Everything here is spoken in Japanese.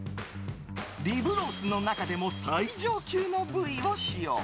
リブロースの中でも最上級の部位を使用。